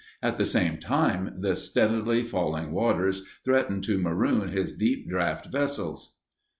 At the same time, the steadily falling waters threatened to maroon his deep draught vessels.